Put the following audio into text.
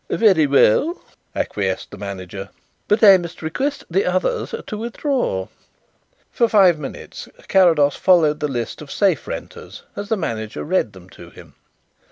"Very well," acquiesced the manager. "But I must request the others to withdraw." For five minutes Carrados followed the list of safe renters as the manager read them to him.